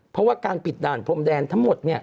เพราะว่าการปิดด่านพรมแดนทั้งหมด